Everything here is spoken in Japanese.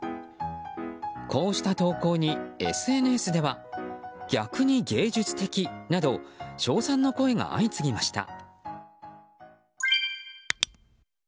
こうした投稿にＳＮＳでは逆に芸術的など称賛の声が相次ぎました。